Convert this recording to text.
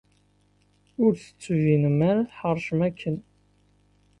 Ur d-tettbinem ara tḥeṛcem akken.